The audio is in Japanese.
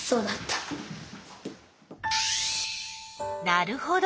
なるほど。